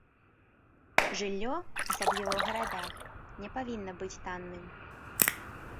Жыллё, асабліва ў гарадах, не павінна быць танным.